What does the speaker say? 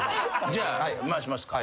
じゃあ回しますか。